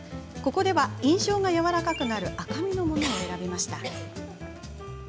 ここでは、印象が柔らかくなる赤みのものを選びました。